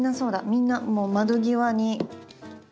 みんなもう窓際に。